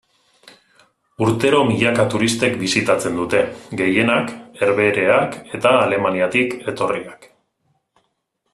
Urtero milaka turistek bisitatzen dute, gehienak Herbehereak eta Alemaniatik etorriak.